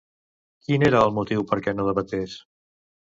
Quin era el motiu perquè no debatés?